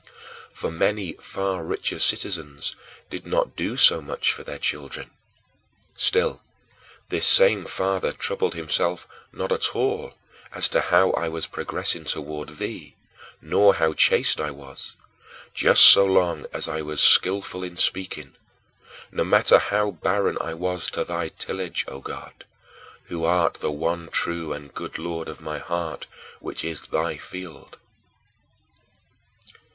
For many far richer citizens did not do so much for their children. Still, this same father troubled himself not at all as to how I was progressing toward thee nor how chaste I was, just so long as I was skillful in speaking no matter how barren I was to thy tillage, O God, who art the one true and good Lord of my heart, which is thy field.